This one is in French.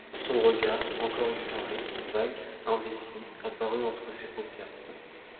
Son regard, encore effaré, vague, indécis, apparut entre ses paupières.